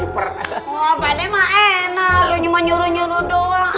apaan emang enak lo cuma nyuruh nyuruh doang